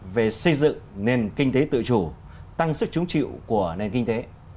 về xây dựng nền kinh tế tự chủ tăng sức trúng chịu của nền kinh tế